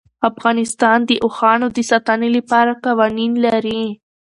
افغانستان د اوښانو د ساتنې لپاره قوانین لري.